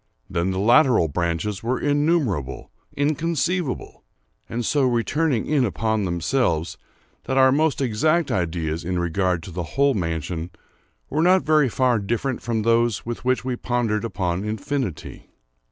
Then the lateral branches were innumerable—inconceivable—and so returning in upon themselves, that our most exact ideas in regard to the whole mansion were not very far different from those with which we pondered upon infinity.